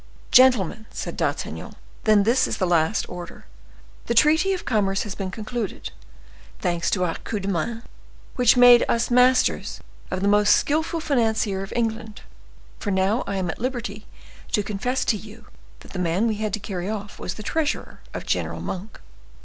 "Gentlemen," said D'Artagnan, "then, this is the last order. The treaty of commerce has been concluded, thanks to our coup de main which made us masters of the most skillful financier of England, for now I am at liberty to confess to you that the man we had to carry off was the treasurer of General Monk."